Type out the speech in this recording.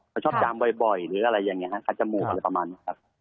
เขาชอบจามบ่อยหรืออะไรอย่างนี้ฮะคัดจมูกอะไรประมาณนี้ครับ